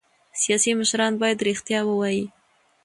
سیاسي مشران باید رښتیا ووايي